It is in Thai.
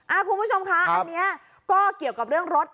คุณผู้ชมคะอันนี้ก็เกี่ยวกับเรื่องรถ